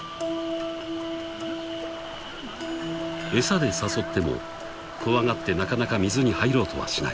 ［餌で誘っても怖がってなかなか水に入ろうとはしない］